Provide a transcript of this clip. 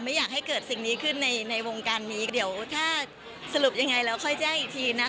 ไม่อยากให้เกิดสิ่งนี้ขึ้นในในวงการนี้เดี๋ยวถ้าสรุปยังไงแล้วค่อยแจ้งอีกทีนะคะ